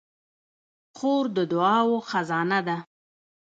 خور د دعاوو خزانه ده.